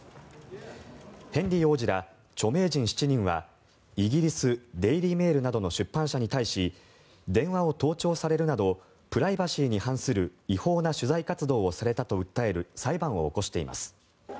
ヘンリー王子ら著名人７人はイギリスデイリー・メールなどの出版社に対し電話を盗聴されるなどプライバシーに反する違法な取材活動をされたと訴える裁判を起こしています。